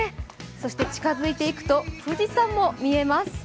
そして近づいていくと富士山も見えます。